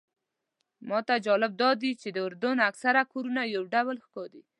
ماته جالبه داده چې د اردن اکثر کورونه یو ډول ښکاري.